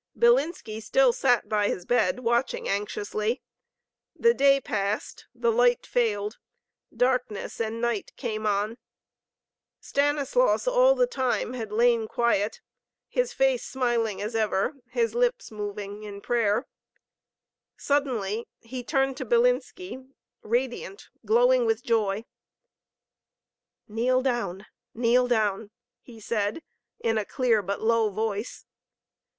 Bilinski still sat by his bed, watching anxiously. The day passed, the light failed, darkness and night came on. Stanislaus all the time had lain quiet, his face smiling as ever, his lips moving in prayer. Suddenly he turned to Bilinski, radiant, glowing with joy. "Kneel down, kneel down!" he said, in a clear but low voice.